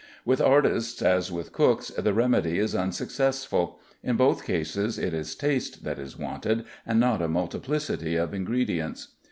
With artists as with cooks, the remedy is unsuccessful; in both cases it is taste that is wanted, and not a multiplicity of ingredients.